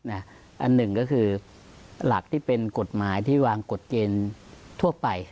อันหนึ่งก็คือหลักที่เป็นกฎหมายที่วางกฎเกณฑ์ทั่วไป